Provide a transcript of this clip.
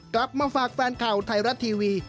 มาฝากแฟนค่าไทยรัตทีวี